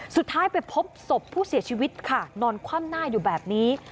สุดท้ายไปพบศพผู้เสียชีวิตค่ะนอนคว่ำหน้าอยู่แบบนี้